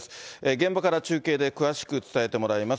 現場から中継で詳しく伝えてもらいます。